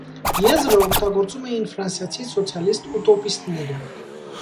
Եզրը օգտագործում էին ֆրանսիացի սոցիալիստ ուտոպիստները։